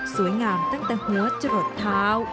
สวยงามตั้งแต่หัวจะหลดเท้า